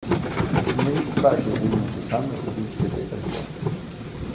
Менавіта так і быў напісаны ўвесь гэты альбом.